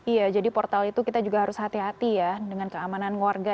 iya jadi portal itu kita juga harus hati hati ya dengan keamanan warga